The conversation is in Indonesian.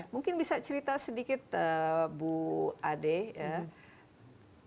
mungkin bisa cerita sedikit bu ade ya